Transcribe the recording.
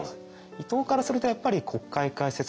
伊藤からするとやっぱり国会開設憲法制定。